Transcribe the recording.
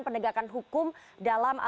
pendegakan hukum dalam